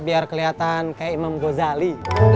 biar keliatan kayak imam ghazali